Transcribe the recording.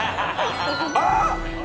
あっ！